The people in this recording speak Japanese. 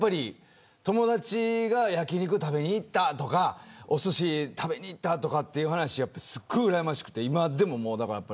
友達が焼き肉食べに行ったとかおすし食べに行ったとかいう話すごくうらやましくて。